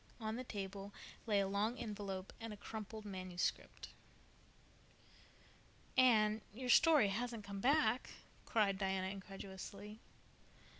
On the table lay a long envelope and a crumpled manuscript. "Anne, your story hasn't come back?" cried Diana incredulously.